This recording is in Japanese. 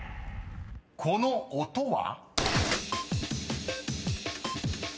［この音は？］